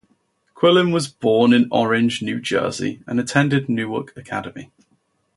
Quillen was born in Orange, New Jersey, and attended Newark Academy.